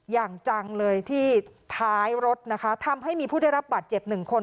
อย่างจังเลยที่ท้ายรถนะคะทำให้มีผู้ได้รับบัตรเจ็บหนึ่งคน